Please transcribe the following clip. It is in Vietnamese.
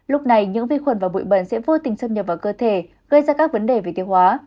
lúc này những vi khuẩn và bụi bẩn sẽ vô tình xâm nhập vào cơ thể gây ra các vấn đề về tiêu hóa